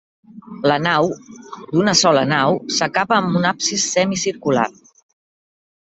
La nau, d'una sola nau, s'acaba amb un absis semicircular.